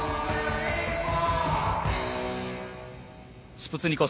スプツニ子！